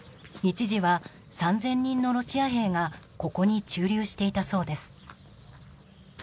一時は３０００人のロシア兵がここに駐留していたそうです。